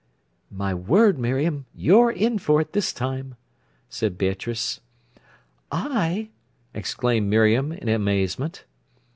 "My word, Miriam! you're in for it this time," said Beatrice. "I!" exclaimed Miriam in amazement.